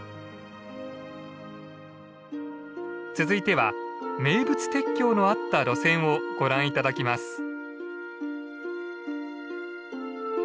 続いては名物鉄橋のあった路線をご覧頂きます。